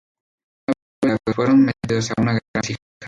Una vez creados, fueron metidos en una gran vasija.